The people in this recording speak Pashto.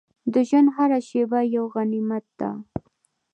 د ژوند هره شېبه یو غنیمت ده.